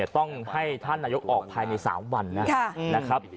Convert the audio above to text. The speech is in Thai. ต้องให้ท่านนายกออกภายใน๓วันนะครับ